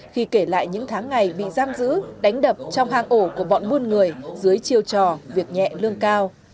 khi kể lại những tháng ngày bị giam giữ đánh đập trong hang ổ của bọn buôn người dưới chiêu trò việc nhẹ lương cao